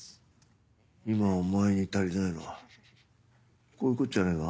今お前に足りないのはこういうことじゃねえか？